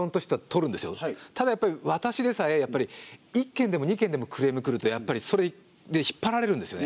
ただやっぱり私でさえ１件でも２件でもクレーム来るとやっぱりそれで引っ張られるんですよね。